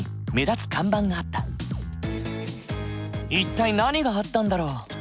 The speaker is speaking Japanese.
一体何があったんだろう？